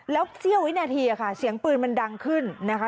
แล้วเสี้ยววินาทีค่ะเสียงปืนมันดังขึ้นนะคะ